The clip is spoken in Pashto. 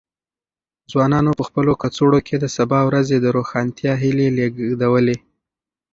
ځوانانو په خپلو کڅوړو کې د سبا ورځې د روښانتیا هیلې لېږدولې.